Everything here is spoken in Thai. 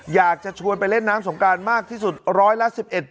อยากจะชวนไปเล่นน้ำสงการมากที่สุดร้อยละ๑๑